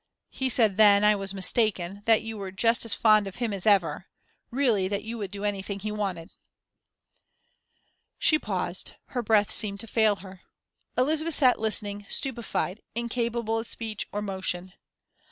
He said then, I was mistaken, that you were just as fond of him as ever really, that you would do anything he wanted" She paused, her breath seemed to fail her. Elizabeth sat listening, stupefied, incapable of speech or motion.